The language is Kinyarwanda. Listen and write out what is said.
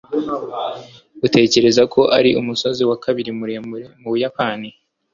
utekereza ko ari umusozi wa kabiri muremure mu buyapani